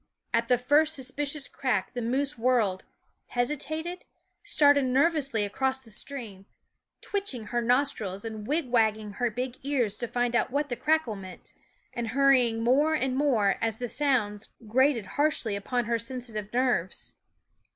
At the first suspicious crack the moose whirled, hesitated, started nervously across the stream, twitching her nostrils and wigwagging her big ears to find out what the crackle meant, THE WOODS & and hurrying more and more as the sounds grated harshly upon her sensitive nerves.